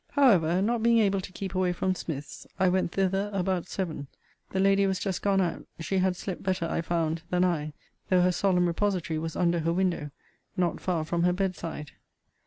However, not being able to keep away from Smith's, I went thither about seven. The lady was just gone out: she had slept better, I found, than I, though her solemn repository was under her window, not far from her bed side.